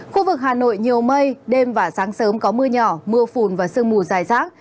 khu vực hà nội nhiều mây đêm và sáng sớm có mưa nhỏ mưa phùn và sương mù dài rác